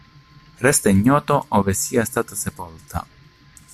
Resta ignoto ove sia stata sepolta..